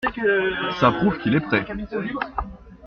Ca prouve qu’il est prêt !